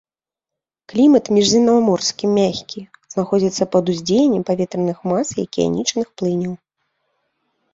Клімат міжземнаморскі мяккі знаходзіцца пад уздзеяннем паветраных мас і акіянічных плыняў.